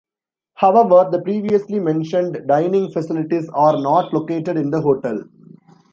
However, the previously mentioned dining facilities are not located in the hotel.